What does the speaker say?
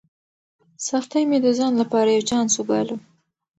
سختۍ مې د ځان لپاره یو چانس وباله.